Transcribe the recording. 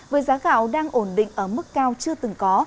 với giá gạo đang ổn định ở mức cao chưa từng có